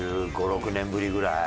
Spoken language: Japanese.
１５１６年ぶりぐらい？